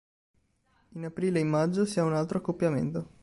In aprile e in maggio si ha un altro accoppiamento.